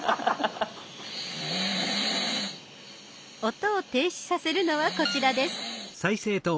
音を停止させるのはこちらです。